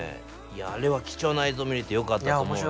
あれは貴重な映像見れてよかったと思うよ。